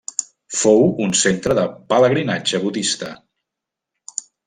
Fou un centre de pelegrinatge budista.